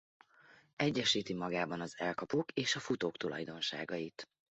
Egyesíti magában az elkapók és a futók tulajdonságait.